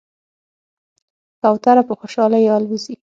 کوتره په خوشحالۍ الوزي.